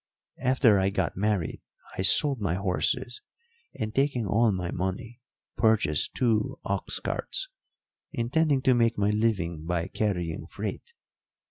"After I got married I sold my horses, and, taking all my money, purchased two ox carts, intending to make my living by carrying freight.